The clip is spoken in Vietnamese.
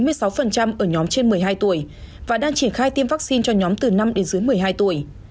trên chín mươi sáu ở nhóm trên một mươi hai tuổi và đang triển khai tiêm vaccine cho nhóm từ năm đến dưới một mươi hai tuổi